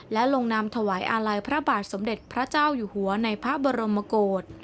และลงนามถวายอาลัยพระบาทสมเด็จพระเจ้าอยู่หัวในพระบรมโกศ